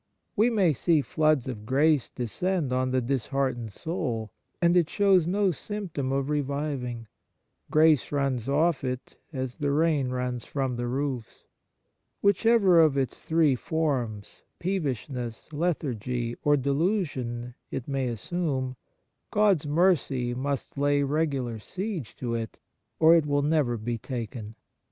We may see floods of grace descend on the disheartened soul, and it shows no symp tom of reviving. Grace runs off it as the rain runs from the roofs. Whichever of its three forms — peevishness, lethargy, or delusion — it may assume, God's mercy must lay regular siege to it, or it will never be taken.